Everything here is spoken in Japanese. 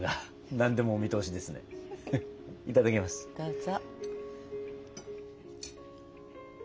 どうぞ。